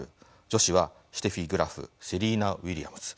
女子はシュテフィ・グラフセリーナ・ウイリアムズ